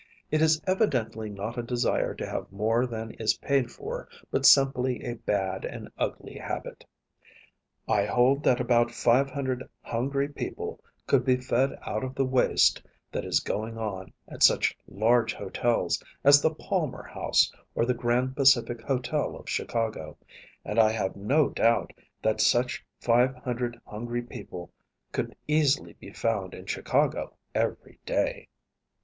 It is evidently not a desire to have more than is paid for, but simply a bad and ugly habit. I hold that about five hundred hungry people could be fed out of the waste that is going on at such large hotels as the Palmer House or the Grand Pacific Hotel of Chicago and I have no doubt that such five hundred hungry people could easily be found in Chicago every day.